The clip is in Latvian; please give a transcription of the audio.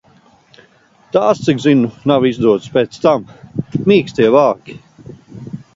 Tās, cik zinu, nav izdotas pēc tam. Mīkstie vāki.